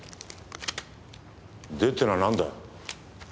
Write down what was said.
ってのはなんだよ。